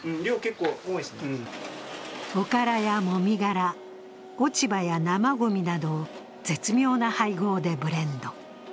おからやもみ殻、落ち葉や生ごみなどを絶妙な配合でブレンド。